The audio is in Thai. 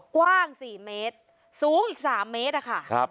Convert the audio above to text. กว้าง๔เมตรสูงอีก๓เมตรอะค่ะ